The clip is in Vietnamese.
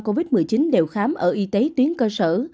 covid một mươi chín đều khám ở y tế tuyến cơ sở